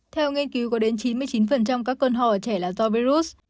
theo nghiên cứu có đến chín mươi chín các con hò trẻ là do virus